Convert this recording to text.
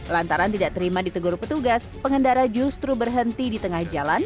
lantaran tidak terima ditegur petugas pengendara justru berhenti di tengah jalan